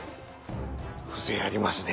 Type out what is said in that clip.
風情ありますね。